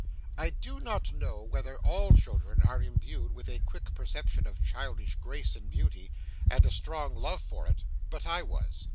I do not know whether all children are imbued with a quick perception of childish grace and beauty, and a strong love for it, but I was.